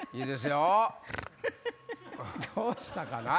どうしたかな？